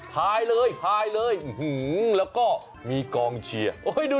พายเลยพายเลย